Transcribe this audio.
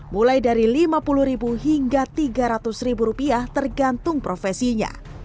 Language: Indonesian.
mulai dari lima puluh ribu hingga tiga ratus ribu rupiah tergantung profesinya